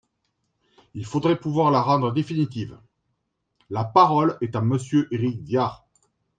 Il faudrait pouvoir la rendre définitive ! La parole est à Monsieur Éric Diard.